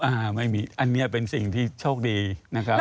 ไม่มีอันนี้เป็นสิ่งที่โชคดีนะครับ